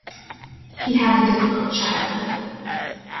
He had a difficult childhood.